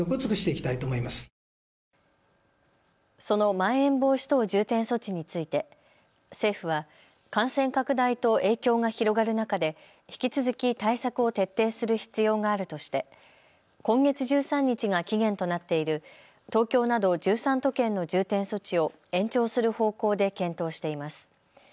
そのまん延防止等重点措置について政府は感染拡大と影響が広がる中で引き続き対策を徹底する必要があるとして今月１３日が期限となっている東京など１３都県の重点措置を延長する方向で検討しています。